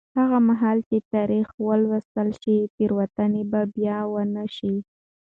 هغه مهال چې تاریخ ولوستل شي، تېروتنې به بیا ونه شي.